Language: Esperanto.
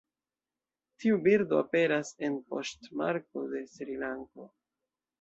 Tiu birdo aperas en poŝtmarko de Srilanko.